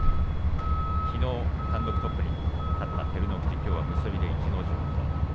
きのう単独トップに立った照ノ富士きょうは結びで逸ノ城と。